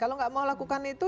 kalau nggak mau lakukan itu